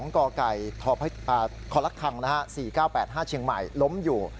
กคลคัง๔๙๘๕เชียงใหม่ล้มอยู่